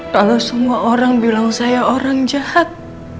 kalau semua orang bilang saya orang jahat